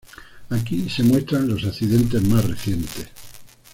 Aquí se muestran los accidentes más recientes